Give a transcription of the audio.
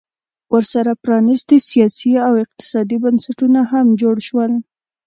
ورسره پرانیستي سیاسي او اقتصادي بنسټونه هم جوړ شول